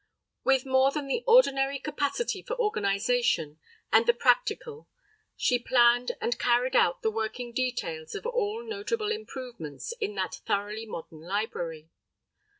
With more than the ordinary capacity for organization and the practical, she planned and carried out the working details of all notable improvements, in that thoroughly modern library.